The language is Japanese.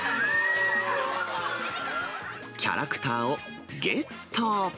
キャラクターをゲット。